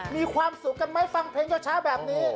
มีความสุขกันไหมฟังเพลงเช้าแบบนี้